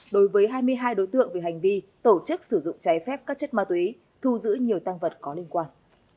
đối với hai mươi hai đối tượng về hành vi tổ chức sử dụng trái phép các chất ma túy thu giữ nhiều tăng vật có liên quan